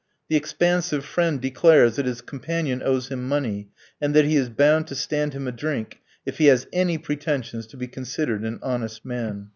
The expansive friend declares that his companion owes him money, and that he is bound to stand him a drink "if he has any pretensions to be considered an honest man."